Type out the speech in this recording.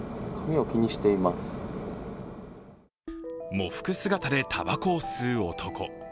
喪服姿でたばこを吸う男。